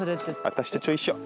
私たちと一緒。